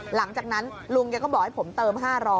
หลังจากนั้นลุงแกก็บอกให้ผมเติม๕๐๐